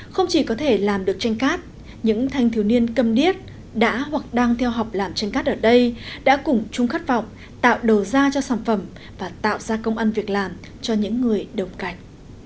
không chỉ có thể làm được tranh cát những thanh thiếu niên cầm điết đã hoặc đang theo học làm tranh cát ở đây đã cùng chung khát vọng tạo đầu ra cho sản phẩm và tạo ra công ăn việc làm cho những người đồng cảnh